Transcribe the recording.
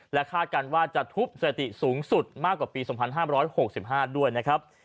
คาดกันว่าจะทุบสถิติสูงสุดมากกว่าปี๒๕๖๕ด้วยนะครับ